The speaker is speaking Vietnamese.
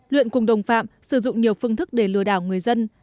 luyện cùng đồng phạm sử dụng nhiều phương thức để lừa đảo người dân